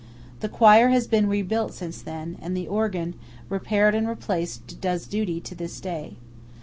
The choir has been rebuilt since then; and the organ, repaired and replaced, does duty to this day.